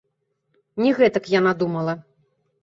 Не гэтак яна думала.